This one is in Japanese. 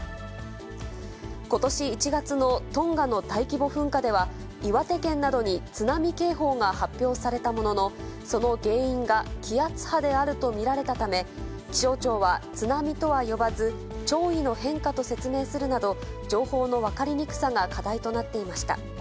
ことし１月のトンガの大規模噴火では、岩手県などに津波警報が発表されたものの、その原因が気圧波であると見られたため、気象庁は、津波とは呼ばず、潮位の変化と説明するなど、情報の分かりにくさが課題となっていました。